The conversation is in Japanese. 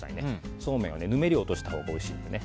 そうめんはぬめりを取ったほうがおいしいのでね。